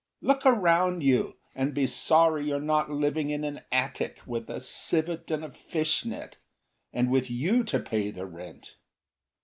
Look around you and be sorry you're not living in an attic, With a civet and a fish net, and with you to pay the rent.